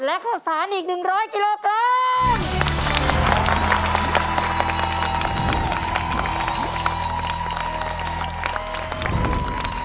และข้าวสารอีก๑๐๐กิโลกรัม